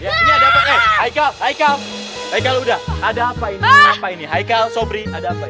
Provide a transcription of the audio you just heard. daudot tuh ini ada apa hei heikal heikal udah ada apa ini heikal sobri ada apa ini